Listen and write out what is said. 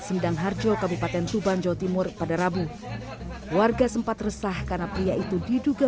sendang harjo kabupaten tuban jawa timur pada rabu warga sempat resah karena pria itu diduga